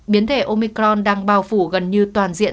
biến thể omicron đang bao phủ gần như toàn diện